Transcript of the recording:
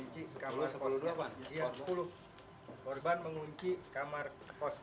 sepuluh dalam kosan